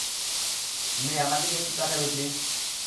মে, আমার দিকে একটু তাকাবে, প্লিজ?